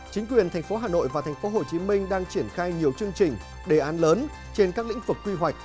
chính quyền tp hcm đang triển khai nhiều chương trình đề án lớn trên các lĩnh vực quy hoạch